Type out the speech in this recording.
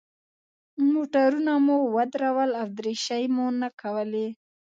موټرونه مو ودرول او دریشۍ مو نه کولې.